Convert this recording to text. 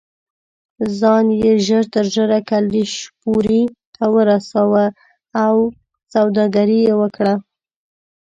ځان یې ژر تر ژره کلشپورې ته ورساوه او سوداګري یې وکړه.